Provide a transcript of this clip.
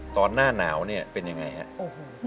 หน้าหนาวเนี่ยเป็นยังไงครับ